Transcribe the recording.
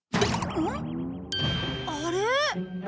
あれ？